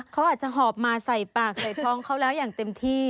เขาอาจจะหอบมาใส่ปากใส่ท้องเขาแล้วอย่างเต็มที่